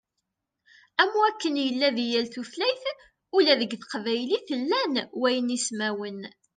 Am wakken yella di yal tutlayt, ula deg teqbaylit llan waynismawen.